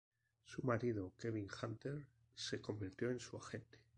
Su marido, Kevin Hunter, se convirtió en su agente.